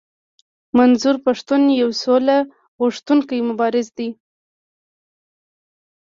منظور پښتون يو سوله غوښتونکی مبارز دی.